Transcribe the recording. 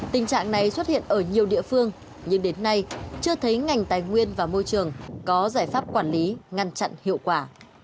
tình trạng này xuất hiện ở nhiều địa phương nhưng đến nay chưa thấy ngành tài nguyên và môi trường có giải pháp quản lý ngăn chặn hiệu quả